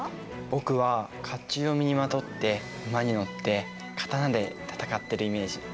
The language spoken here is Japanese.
僕は甲冑を身にまとって馬に乗って刀で戦ってるイメージ。